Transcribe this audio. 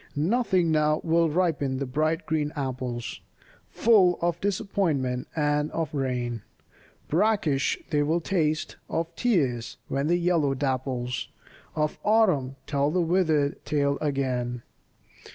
Nothing now will ripen the bright green apples, Full of disappointment and of rain, Brackish they will taste, of tears, when the yellow dapples Of Autumn tell the withered tale again.